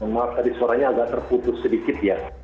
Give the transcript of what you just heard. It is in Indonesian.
maaf tadi suaranya agak terputus sedikit ya